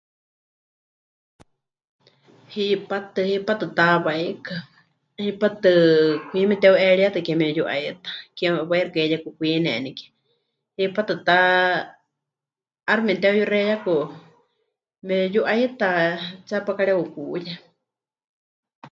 Hipátɨ, hipátɨ ta hawaikɨ, hipátɨ kwi meteu'eríetɨ ke mepɨyu'aita, ke... hawai xɨka heiyekukwineni ke, hipátɨ ta 'aixɨ memɨteheuyuxeiyaku mepɨyu'aita tseepá kareukuuye.